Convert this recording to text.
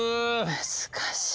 難しい。